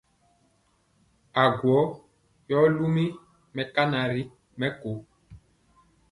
Agwɔ yɔ lum mɛkana ri mɛko.